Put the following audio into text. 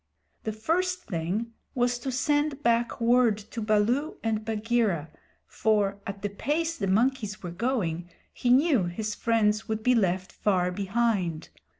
The first thing was to send back word to Baloo and Bagheera, for, at the pace the monkeys were going, he knew his friends would be left far behind.